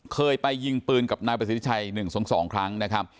เคยไปยิงปืนกับนายประสิทธิ์ชัย๑๒ครั้งนะครับ